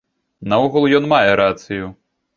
Наогул ён мае рацыю.